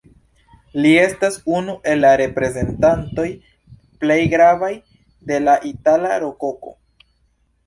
Li estas unu el la reprezentantoj plej gravaj de la itala Rokoko.